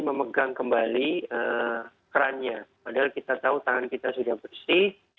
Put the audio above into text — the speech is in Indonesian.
memegang kembali kerannya padahal kita tahu tangan kita sudah bersih